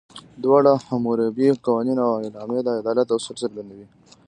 دواړه، حموربي قوانین او اعلامیه، د عدالت اصول څرګندوي.